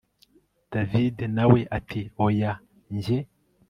davide nawe ati hoya, njye